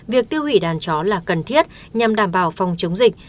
việc tiêu hủy đàn chó là cần thiết nhằm đảm bảo phòng chống dịch